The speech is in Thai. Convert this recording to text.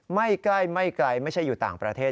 ไม่ใกล้ไม่ใช่อยู่ต่างประเทศ